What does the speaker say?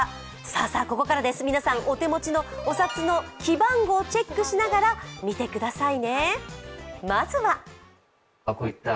さあここからです、皆さんお手持ちのお札の記番号をチェックしながら見てください。